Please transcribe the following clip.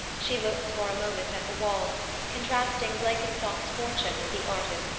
[She looks for a moment at the walls, contrasting Blenkinsop's fortune with the artist's fate].